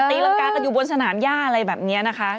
ตีล้างกากกันอยู่บนฉนานหญ้าอะไรแบบนี้นะคะ